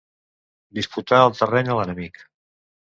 Disputar el terreny a l'enemic.